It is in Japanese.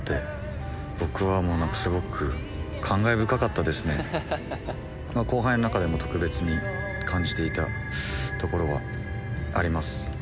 という質問に後輩の中でも特別に感じていたところはあります。